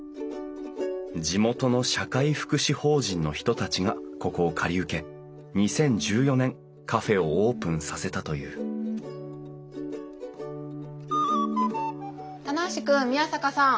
地元の社会福祉法人の人たちがここを借り受け２０１４年カフェをオープンさせたという棚橋君宮坂さん